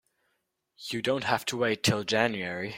You don't have to wait till January.